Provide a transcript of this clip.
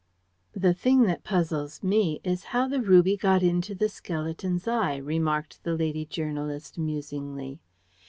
"The thing that puzzles me is how the ruby got into the skeleton's eye," remarked the lady journalist musingly.